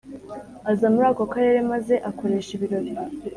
Aza muri ako karere maze akoresha ibirori